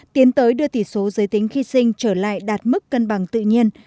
tiến tới đưa tỷ số giới tính khi sinh trở lại đạt mức cân bằng tự nhiên